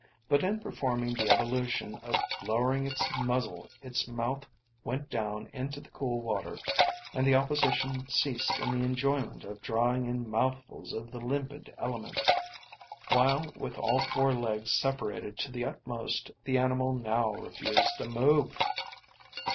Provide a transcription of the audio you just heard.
But in performing the evolution of lowering its muzzle its mouth went down into the cool water, and the opposition ceased in the enjoyment of drawing in mouthfuls of the limpid element, while with all four legs separated to the utmost, the animal now refused to move.